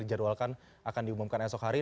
dijadwalkan akan diumumkan esok hari